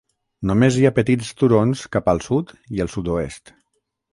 Només hi ha petits turons cap al sud i el sud-oest.